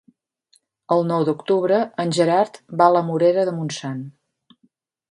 El nou d'octubre en Gerard va a la Morera de Montsant.